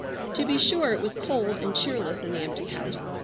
To be sure it was cold and cheerless in the empty house.